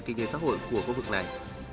kinh tế xã hội của khu vực này